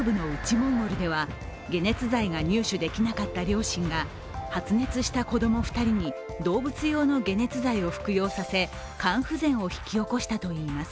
モンゴルでは解熱剤が入手できなかった両親が、発熱した子供２人に動物用の解熱剤を服用させ肝不全を引き起こしたといいます。